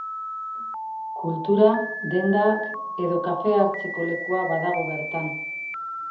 Kultura, dendak edo kafea hartzeko lekua badago bertan.